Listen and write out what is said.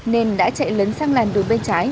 nên đã chạy lấn sang làn đường bên trái